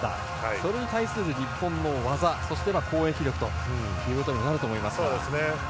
それに対する日本の技そして、攻撃力ということになると思いますが。